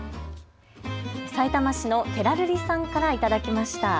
さいたま市のてらるりさんから頂きました。